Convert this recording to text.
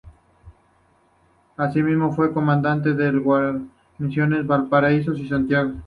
Así mismo fue comandante de las guarniciones de Valparaíso y Santiago.